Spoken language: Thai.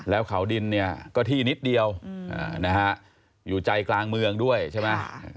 แล้วเขาดินเนี่ยก็ที่นิดเดียวนะฮะอยู่ใจกลางเมืองด้วยใช่ไหม